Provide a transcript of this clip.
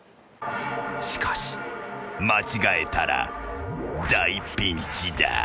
［しかし間違えたら大ピンチだ］